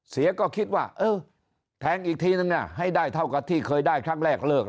เสียก็คิดว่าเออแทงอีกทีนึงให้ได้เท่ากับที่เคยได้ครั้งแรกเลิก